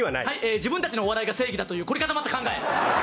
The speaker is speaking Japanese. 自分たちのお笑いが正義だという凝り固まった考え。